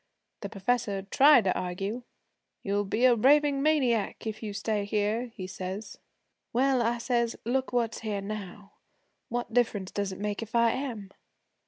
The professor tried to argue. "You'll be a raving maniac if you stay here," he says. "Well," I says, "look what's here now what difference does it make if I am?"